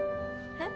えっ？